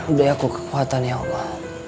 udah aku kekuatan ya pak